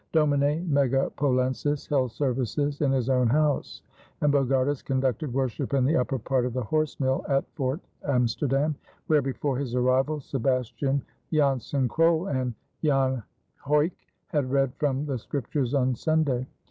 Domine Megapolensis held services in his own house, and Bogardus conducted worship in the upper part of the horse mill at Fort Amsterdam, where before his arrival Sebastian Jansen Krol and Jan Huyck had read from the Scriptures on Sunday.